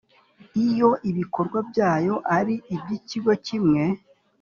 Iyo ibikorwa byayo ari iby ikigo kimwe